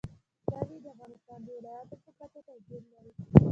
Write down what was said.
کلي د افغانستان د ولایاتو په کچه توپیر لري.